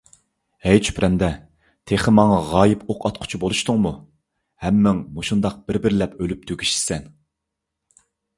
ھەي چۈپرەندە، تېخى ماڭا غايىب ئوق ئاتقۇچى بولۇشتۇڭمۇ، ھەممىڭ مۇشۇنداق بىر - بىرلەپ ئۆلۈپ تۈگىشىسەن!